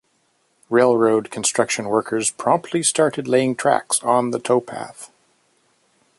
Railroad construction workers promptly started laying tracks on the towpath.